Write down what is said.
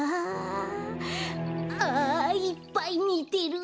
あいっぱいみてる。